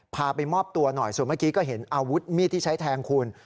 พาไปมอบตัวหน่อยส่วนเมื่อกี้ก็เห็นอาวุธมีดที่ใช้แทงคุณ